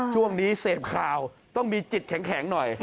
ช่วงนี้เสพข่าวต้องมีจิตแข็งหน่อย